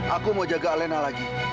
aku mau jaga alena lagi